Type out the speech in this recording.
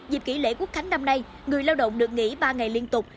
dịp kỷ lễ quốc khánh năm nay người lao động được nghỉ ba ngày liên tục